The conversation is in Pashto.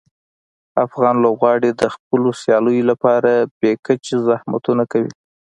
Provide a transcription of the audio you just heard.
افغان لوبغاړي د خپلو سیالیو لپاره بې کچه زحمتونه کوي.